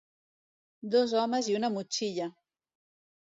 Dos homes i una motxilla.